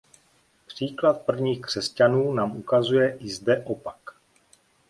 Příklad prvních křesťanů nám ukazuje i zde opak.